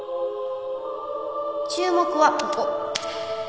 注目はここ。